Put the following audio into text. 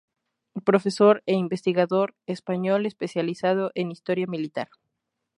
Profesor e Investigador español especializado en Historia Militar.